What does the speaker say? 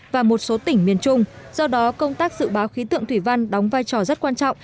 và một số tỉnh miền trung do đó công tác dự báo khí tượng thủy văn đóng vai trò rất quan trọng